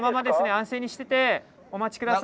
安静にしててお待ち下さい。